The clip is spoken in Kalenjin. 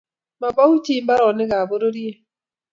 Mabau chi mbaronik ab bororiet